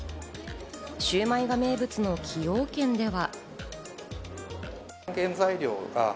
シウマイが名物の崎陽軒では。